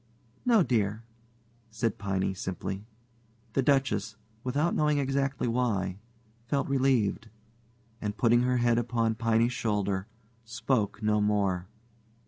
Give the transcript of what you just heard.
"No, dear," said Piney, simply. The Duchess, without knowing exactly why, felt relieved, and, putting her head upon Piney's shoulder, spoke no more.